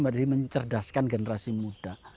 menjadi mencerdaskan generasi muda